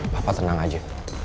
papa tenang aja